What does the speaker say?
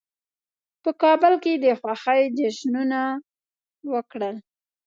په کابل کې د خوښۍ جشنونه وکړل.